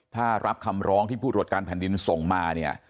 ถ้ารับคำร้องที่ผู้ตรวจการแผ่นดินส่งมาเนี่ย